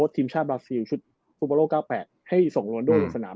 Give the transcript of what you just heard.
ทีมชาติบราซิลชุดฟูปาโล๙๘ให้ส่งลวนโด้ออกสนาม